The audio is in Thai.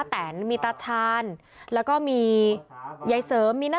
ทั้งหลวงผู้ลิ้น